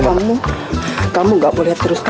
kamu kamu gak boleh terus